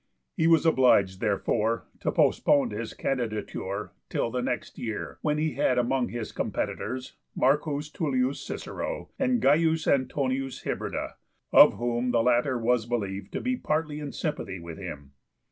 He was obliged, therefore, to postpone his candidature till the next year, when he had among his competitors M. Tullius Cicero and C. Antonius Hybrida, of whom the latter was believed to be partly in sympathy with him.